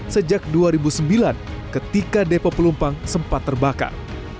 sejak dua ribu sembilan ketika depo pelumpang sempat terbakar